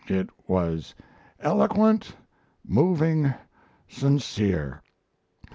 It was eloquent, moving, sincere.